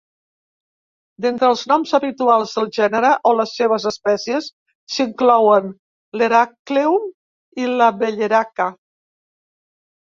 D'entre els noms habituals del gènere o les seves espècies s'inclouen l'heracleum i la belleraca.